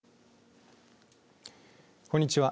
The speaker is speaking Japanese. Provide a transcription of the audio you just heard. こんにちは。